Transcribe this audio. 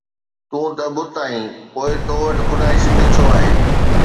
تون ته بت آهين، پوءِ تو وٽ خدائي شڪل ڇو آهي؟